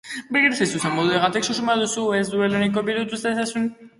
Begira ari zaizun moduagatik, susmoa duzu ez duela nahiko biluztu dezazun.